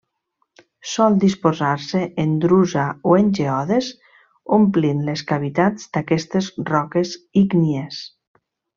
Sol disposar-se en drusa o en geodes omplint les cavitats d'aquestes roques ígnies.